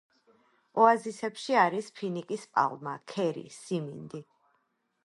ოაზისებში არის ფინიკის პალმა, ქერი, სიმინდი.